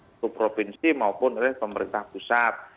itu provinsi maupun oleh pemerintah pusat